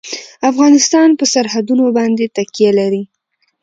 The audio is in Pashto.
افغانستان په سرحدونه باندې تکیه لري.